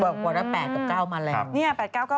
กว่าละ๘กับ๙มาแหลง